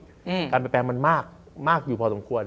การเปลี่ยนแปลงมันมากมากอยู่พอสมควร